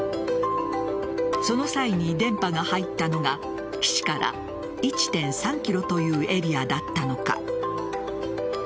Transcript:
その際に電波が入ったのが岸から１．３ｋｍというエリアだったのか。